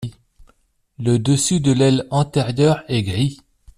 Le dessus de l'aile antérieure est gris.